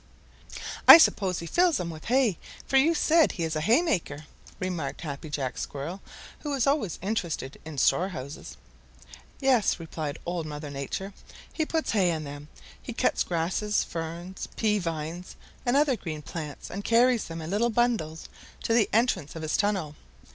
"I suppose he fills them with hay, for you said he is a haymaker," remarked Happy Jack Squirrel, who is always interested in storehouses. "Yes," replied Old Mother Nature, "he puts hay in them. He cuts grasses, ferns, pea vines and other green plants and carries them in little bundles to the entrance to his tunnel.